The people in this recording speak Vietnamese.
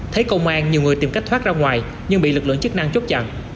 thấy công an nhiều người tìm cách thoát ra ngoài nhưng bị lực lượng chức năng chốt chặn